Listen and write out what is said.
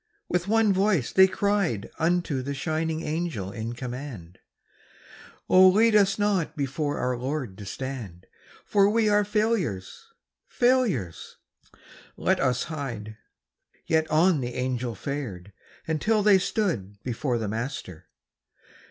With one voice they cried Unto the shining Angel in command: 'Oh, lead us not before our Lord to stand, For we are failures, failures! Let us hide.' Yet on the Angel fared, until they stood Before the Master.